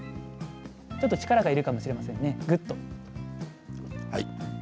ちょっと力がいるかもしれませんね。